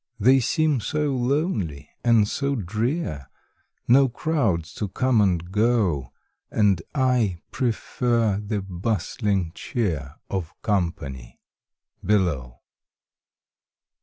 They seem so lonely and so drear, No crowds to come and go, And I prefer the bustling cheer Of Company — below.